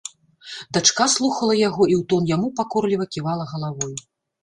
Дачка слухала яго і ў тон яму пакорліва ківала галавой.